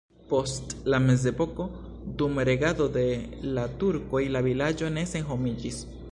Post la mezepoko dum regado de la turkoj la vilaĝo ne senhomiĝis.